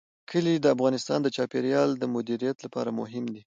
کلي د افغانستان د چاپیریال د مدیریت لپاره مهم دي.